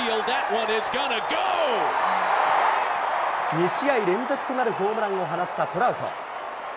２試合連続となるホームランを放ったトラウト。